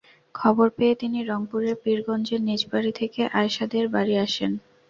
খবর পেয়ে তিনি রংপুরের পীরগঞ্জের নিজ বাড়ি থেকে আয়শাদের বাড়িতে আসেন।